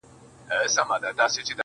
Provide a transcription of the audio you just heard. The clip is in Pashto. په کاشان کي به مي څه ښه په نصیب سي-